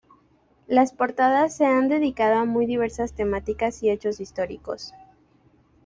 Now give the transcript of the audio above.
Las portadas se han dedicado a muy diversas temáticas y hechos históricos.